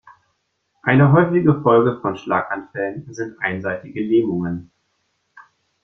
Eine häufige Folge von Schlaganfällen sind einseitige Lähmungen.